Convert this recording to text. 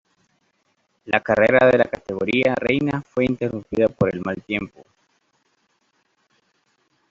La carrera de la categoría reina fue interrumpida por el mal tiempo.